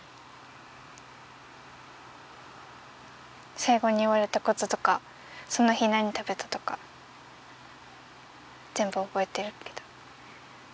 最後に言われたこととかその日何食べたとか全部覚えてるけど。